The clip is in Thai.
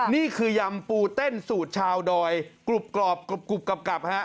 ยำปูเต้นสูตรชาวดอยกรุบกรอบกรุบกลับฮะ